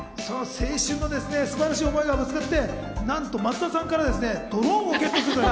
素晴らしい思いがぶつかって松田さんからドローンをゲットするという。